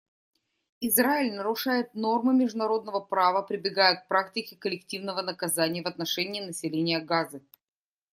Израиль нарушает нормы международного права, прибегая к практике коллективного наказания в отношении населения Газы.